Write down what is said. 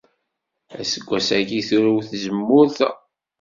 Aseggas-agi, turew tzemmurt-a.